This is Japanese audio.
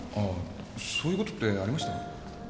そういうことってありました？